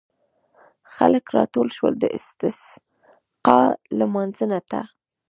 خلک راټول شول د استسقا لمانځه ته.